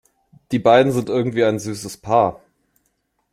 Die beiden sind irgendwie ein süßes Paar.